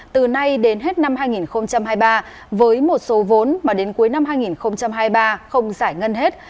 từ nay đến hết năm hai nghìn hai mươi ba với một số vốn mà đến cuối năm hai nghìn hai mươi ba không giải ngân hết